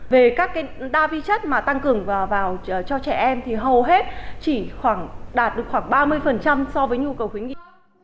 về các đa vi chất mà tăng cường vào cho trẻ em thì hầu hết chỉ đạt được khoảng ba mươi so với nhu cầu khuyến nghị